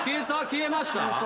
消えました？